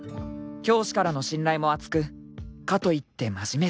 ［教師からの信頼も厚くかといって真面目すぎない］